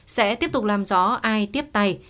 sẽ tiếp tục làm rõ ai tiếp tay